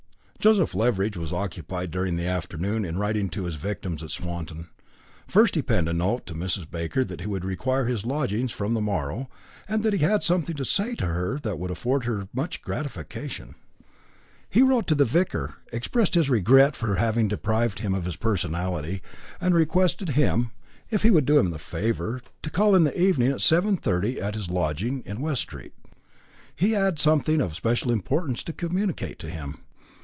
Joseph Leveridge was occupied during the afternoon in writing to his victims at Swanton. First, he penned a notice to Mrs. Baker that he would require his lodgings from the morrow, and that he had something to say to her that would afford her much gratification. Then he wrote to the vicar, expressed his regret for having deprived him of his personality, and requested him, if he would do him the favour, to call in the evening at 7.30, at his lodgings in West Street. He had something of special importance to communicate to him.